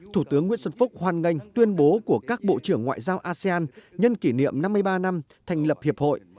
thủ tướng nguyễn xuân phúc hoan nghênh tuyên bố của các bộ trưởng ngoại giao asean nhân kỷ niệm năm mươi ba năm thành lập hiệp hội